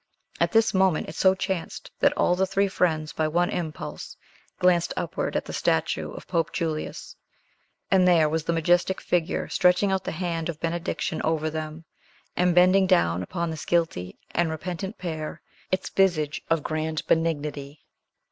At this moment it so chanced that all the three friends by one impulse glanced upward at the statue of Pope Julius; and there was the majestic figure stretching out the hand of benediction over them, and bending down upon this guilty and repentant pair its visage of grand benignity.